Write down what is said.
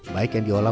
baik yang diolah